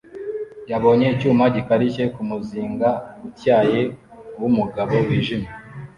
Yabonye icyuma gikarishye kumuzinga utyaye wumugabo wijimye